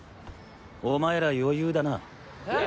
お前ら余裕だな。え！？